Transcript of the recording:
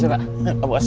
silah pak bos